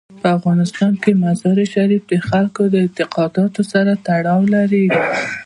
په افغانستان کې مزارشریف د خلکو د اعتقاداتو سره تړاو لري.